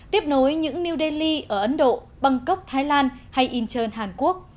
tiếp nối những new delhi ở ấn độ bangkok thái lan hay incheon hàn quốc